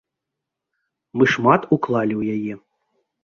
Мы шмат уклалі ў яе.